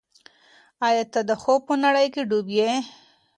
ایا ته د خوب په نړۍ کې ډوب یې؟